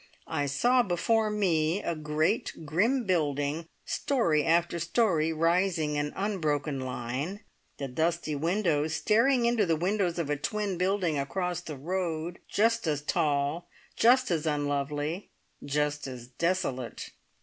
I saw before me a great, grim building, storey after storey rising in unbroken line, the dusty windows staring into the windows of a twin building across the road, just as tall, just as unlovely, just as desolate.